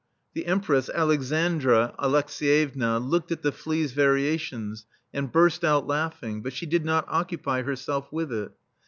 The Empress Alex THE STEEL FLEA andra Alexyevna looked at the flea's variations, and burst out laughing, but she did not occupy herself with it.